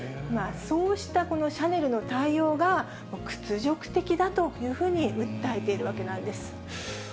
そうしたシャネルの対応が、屈辱的だというふうに訴えているわけなんです。